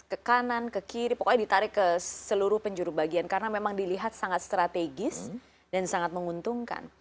ke kanan ke kiri pokoknya ditarik ke seluruh penjuru bagian karena memang dilihat sangat strategis dan sangat menguntungkan